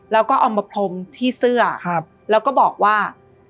แล้วก็เอามาพรมที่เสื้อแล้วก็บอกว่า